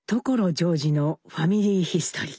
ジョージの「ファミリーヒストリー」。